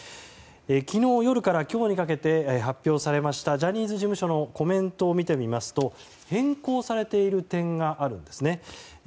昨日夜から今日にかけて発表されましたジャニーズ事務所のコメントを見てみますと変更されている点があるんですね。